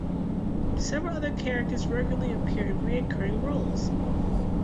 Several other characters regularly appear in recurring roles.